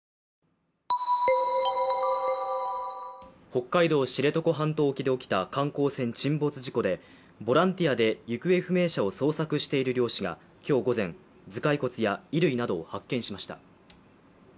北海道知床半島沖で起きた観光船沈没事故でボランティアで行方不明者を捜索している漁師が今日午前頭蓋骨や衣類などを発見しました